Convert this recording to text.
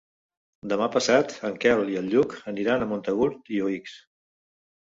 Demà passat en Quel i en Lluc aniran a Montagut i Oix.